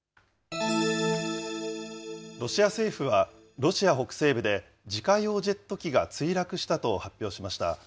ロシア政府はロシア北西部で自家用ジェット機が墜落したと発表しました。